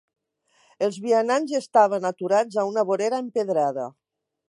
Els vianants estaven aturats a una vorera empedrada.